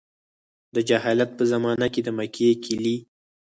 د جاهلیت په زمانه کې د مکې کیلي.